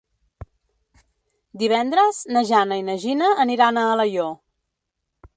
Divendres na Jana i na Gina aniran a Alaior.